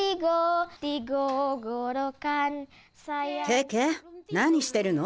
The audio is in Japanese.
ケケ何してるの？